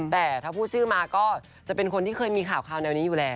แต่ถ้าพูดชื่อมาก็จะเป็นคนที่เคยมีข่าวแนวนี้อยู่แล้ว